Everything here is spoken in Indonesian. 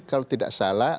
kalau tidak salah